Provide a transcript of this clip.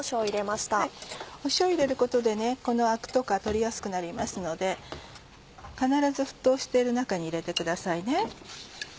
塩を入れることでこのアクとか取りやすくなりますので必ず沸騰している中に入れてくださいね。